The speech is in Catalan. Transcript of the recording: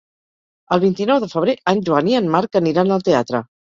El vint-i-nou de febrer en Joan i en Marc aniran al teatre.